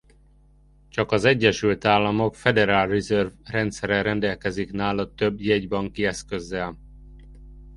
Csak az Egyesült Államok Federal Reserve rendszere rendelkezik nála több jegybanki eszközzel.